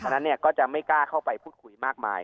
นั้นก็จะไม่กล้าเข้าไปพูดคุยมากมาย